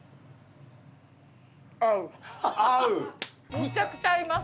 むちゃくちゃ合います